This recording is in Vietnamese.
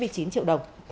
câu hỏi thứ ba